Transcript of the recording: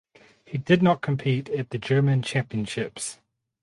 He did not compete at the German Championships.